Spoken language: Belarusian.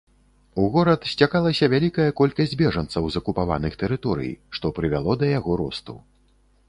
У горад сцякалася вялікая колькасць бежанцаў з акупаваных тэрыторый, што прывяло да яго росту.